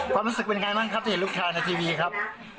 ความรู้สึกเป็นไงบ้างครับที่เห็นลูกชายในทีวีครับ